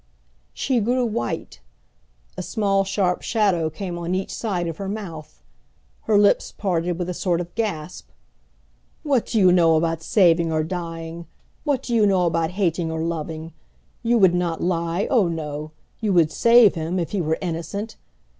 She grew white. A small sharp shadow came on each side of her mouth. Her lips parted with a sort of gasp. "What do you know about saving or dying; what do you know about hating or loving? You would not lie oh, no! You would save him if he were innocent!